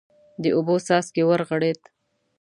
د اوبو څاڅکی ورغړېد.